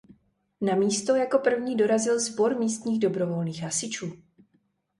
Na místo jako první dorazil sbor místních dobrovolných hasičů.